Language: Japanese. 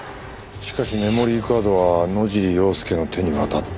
しかしメモリーカードは野尻要介の手に渡った。